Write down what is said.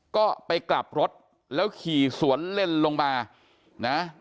ก็ไปกลับรถแล้วขี่สวนเล่นลงมานะ